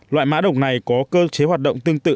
loại mã độc này có cơ chế hoạt động tương tự